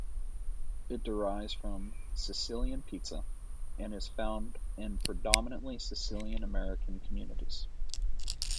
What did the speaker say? It derives from Sicilian pizza, and is found in predominantly Sicilian-American communities.